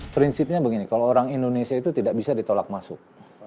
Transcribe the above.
prinsipnya begini kalau orang indonesia itu tidak bisa ditolak masuk